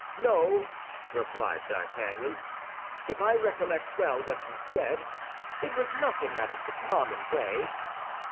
"No," replied D'Artagnan, "if I recollect well what you said, it was nothing out of the common way."